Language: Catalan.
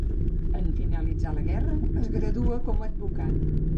En finalitzar la guerra, es gradua com a advocat.